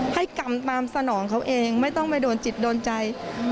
ให้กรรมตามสนองเขาเองไม่ต้องไปโดนจิตโดนใจ